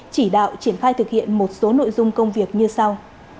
chỉ đạo triển khai thực hiện một số nội dung công việc như sau